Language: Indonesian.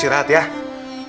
ya enggak ada apa apa